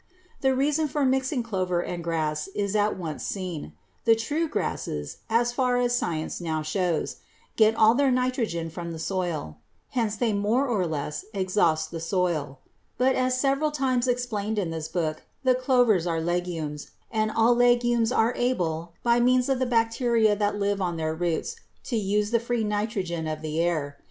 The reason for mixing clover and grass is at once seen. The true grasses, so far as science now shows, get all their nitrogen from the soil; hence they more or less exhaust the soil. But, as several times explained in this book, the clovers are legumes, and all legumes are able by means of the bacteria that live on their roots to use the free nitrogen of the air.